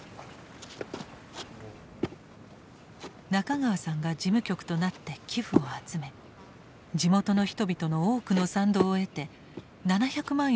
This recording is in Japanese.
中川さんが事務局となって寄付を集め地元の人々の多くの賛同を得て７００万円を超える資金が集まった。